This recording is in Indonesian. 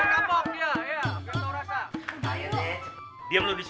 biar kapok dia biar tau rasa